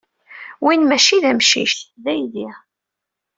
Win maci d amcic. D aydi.